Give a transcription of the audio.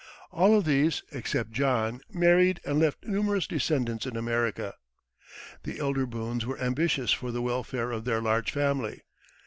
All of these, except John, married, and left numerous descendants in America. The elder Boones were ambitious for the welfare of their large family.